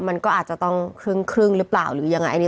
มันก็อาจจะต้องครึ่งหรือเปล่าหรือยังไง